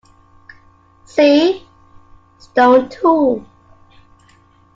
See: Stone tool.